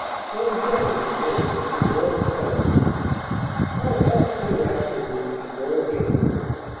Yon "Devil" that goes pricking o'er the Plain, How oft hereafter will she go again!